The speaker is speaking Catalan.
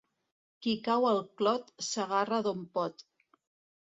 Qui cau al clot, s'agarra d'on pot.